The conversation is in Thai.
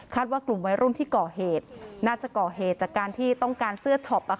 ว่ากลุ่มวัยรุ่นที่ก่อเหตุน่าจะก่อเหตุจากการที่ต้องการเสื้อช็อป